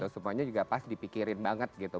semuanya juga pas dipikirin banget gitu